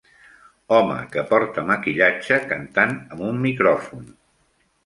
Home que porta maquillatge cantant amb un micròfon.